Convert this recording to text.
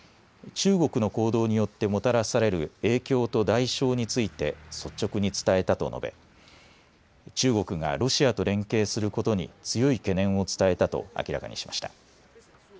中国の行動によってもたらされる影響と代償について率直に伝えたと述べ、中国がロシアと連携することに強い懸念を伝えたと明らかにしました。